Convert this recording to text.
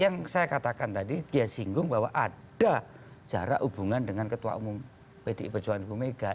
yang saya katakan tadi dia singgung bahwa ada jarak hubungan dengan ketua umum bdk berjualan bumega